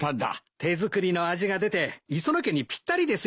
手作りの味が出て磯野家にぴったりですよ。